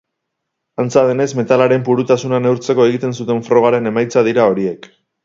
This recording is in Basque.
Antza denez, metalaren purutasuna neurtzeko egiten zuten frogaren emaitza dira horiek.